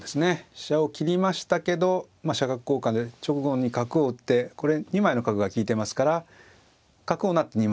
飛車を切りましたけど飛車角交換で直後に角を打ってこれ２枚の角が利いてますから角を成って二枚替え。